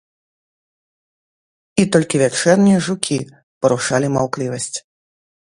І толькі вячэрнія жукі парушалі маўклівасць.